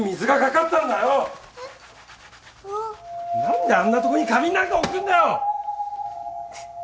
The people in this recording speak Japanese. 何であんなとこに花瓶なんか置くんだよ！